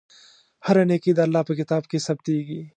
هره نېکۍ د الله په کتاب کې ثبتېږي.